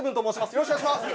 よろしくお願いします！